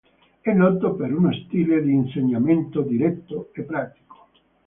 È noto per uno stile di insegnamento diretto e pratico.